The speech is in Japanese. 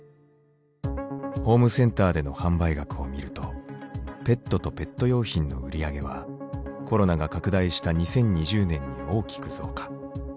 ホームセンターでの販売額を見るとペットとペット用品の売り上げはコロナが拡大した２０２０年に大きく増加。